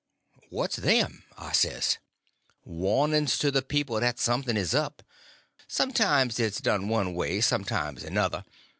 "What's them?" I says. "Warnings to the people that something is up. Sometimes it's done one way, sometimes another.